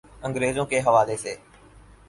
انگریزوں کے حوالے سے۔